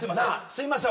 すいません